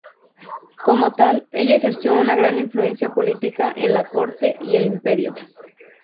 Como tal, ella ejerció una gran influencia política en la corte y el imperio.